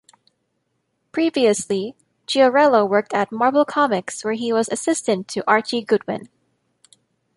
Previously, Chiarello worked at Marvel Comics where he was assistant to Archie Goodwin.